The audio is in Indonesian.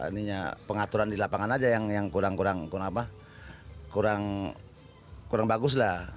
ini ya pengaturan di lapangan aja yang kurang kurang kurang apa kurang bagus lah